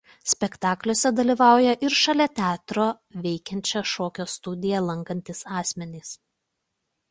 Spektakliuose dalyvauja ir šalia teatro veikiančią šokio studiją lankantys asmenys.